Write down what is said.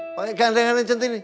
pokoknya ganteng ganteng cindy